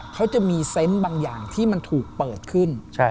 เขาจะมีเซนต์บางอย่างที่มันถูกเปิดขึ้น